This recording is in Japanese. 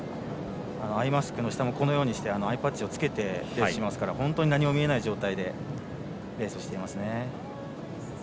アイマスクの下もアイパッチをつけてレースをしますから本当に何も見えない状態でレースをしていますね。